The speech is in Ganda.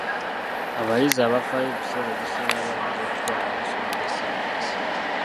Abayizi abafaayo ebiseera ebisinga bayinza okutwala amasomo ga ssaayansi.